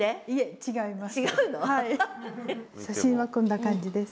写真はこんな感じです。